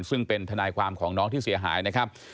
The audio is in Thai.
ซึ่งเป็นทนายความของน้องที่เสียหายนะครับ